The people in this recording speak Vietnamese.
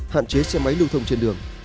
hạn chế xe máy lưu thông trên đường